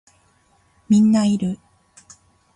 みんないる